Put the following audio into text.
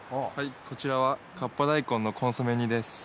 こちらは河童大根のコンソメ煮です。